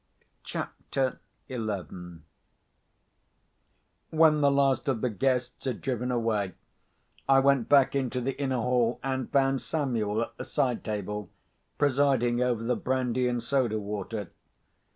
CHAPTER XI When the last of the guests had driven away, I went back into the inner hall and found Samuel at the side table, presiding over the brandy and soda water.